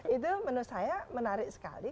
itu menurut saya menarik sekali